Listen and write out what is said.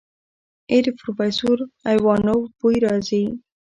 ای د پروفيسر ايوانوف بوئ راځي.